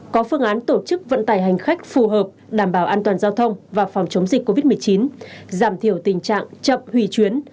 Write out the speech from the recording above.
có phương án tổ chức vận tải hành khách phù hợp đảm bảo an toàn giao thông và phòng chống dịch covid một mươi chín giảm thiểu tình trạng chậm hủy chuyến